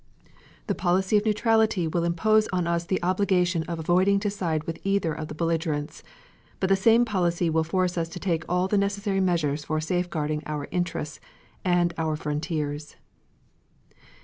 The policy of neutrality will impose on us the obligation of avoiding to side with either of the belligerents. But the same policy will force us to take all the necessary measures for safeguarding our interests and our frontiers."